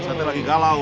satu lagi kalau